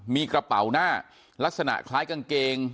มีกระเป๋าหน้าลักษณะคล้ายกางเกง